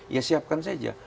ya siapkan saja